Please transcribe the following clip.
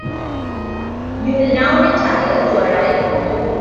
You will now retire to arrive at a verdict.